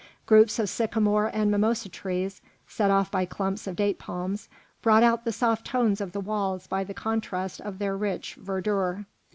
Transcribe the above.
Groups of sycamore and mimosa trees, set off by clumps of date palms, brought out the soft tones of the walls by the contrast of their rich verdure.